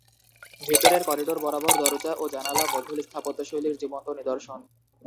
ভেতরের করিডোর বরাবর দরজা ও জানালা মোঘল স্থাপত্য শৈলীর জীবন্ত নিদর্শন।